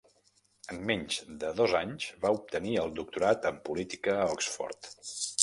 En menys de dos anys, va obtenir el doctorat en Política a Oxford.